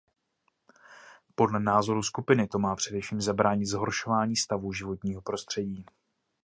Podle názoru skupiny to má především zabránit zhoršování stavu životního prostředí.